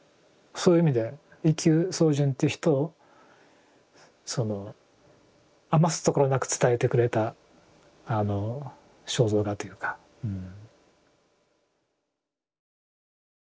そういう意味で一休宗純って人をその余すところなく伝えてくれたあの肖像画というかうん。